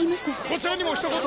こちらにも一言。